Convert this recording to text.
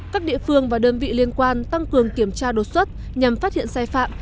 các địa phương và đơn vị liên quan tăng cường kiểm tra đột xuất nhằm phát hiện sai phạm